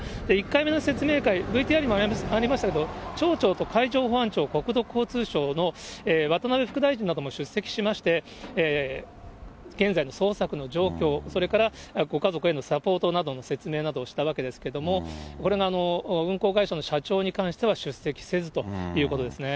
１回目の説明会、ＶＴＲにもありましたけど、町長と海上保安庁、国土交通省の渡辺副大臣なども出席しまして、現在の捜索の状況、それからご家族へのサポートなどの説明などをしたわけですけれども、これが運航会社の社長に関しては、出席せずということですね。